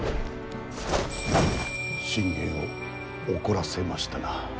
信玄を怒らせましたな。